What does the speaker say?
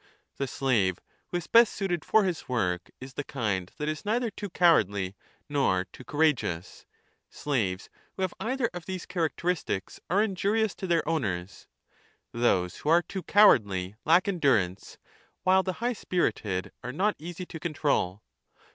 The slave who is best suited for his work is the kind that is neither too cowardly nor too courageous. Slaves who have either of these characteristics are injurious to their owners ; those who are too cowardly lack endurance, while the high spirited are not easy to control.